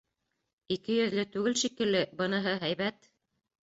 Ике йөҙлө түгел шикелле, быныһы — һәйбәт.